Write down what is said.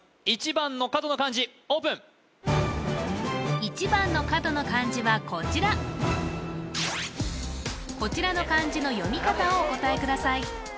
１番の角の漢字オープン１番の角の漢字はこちらこちらの漢字の読み方をお答えください